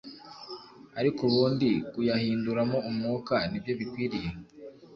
ariko ubundi kuyahinduramo umwuka ni byo bikwiriye